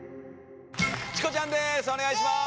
チコちゃんです